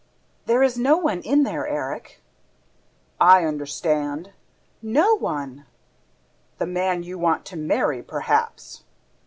"There is no one there, Erik!" "I understand!" "No one!" "The man you want to marry, perhaps!"